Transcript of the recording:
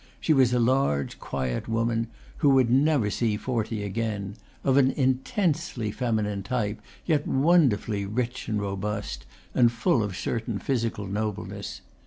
She was a large quiet woman, who would never see forty again; of an intensely feminine type, yet wonderfully rich and robust, and full of a certain phy sical nobleness.